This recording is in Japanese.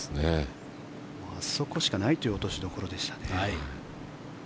あそこしかないという落としどころでしたね。